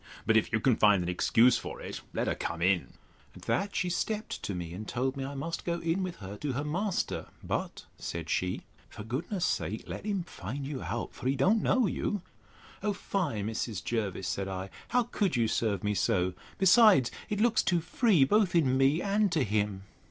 But if you can find an excuse for it, let her come in. At that she stept to me, and told me, I must go in with her to her master; but, said she, for goodness' sake, let him find you out; for he don't know you. O fie, Mrs. Jervis, said I, how could you serve me so? Besides, it looks too free both in me, and to him.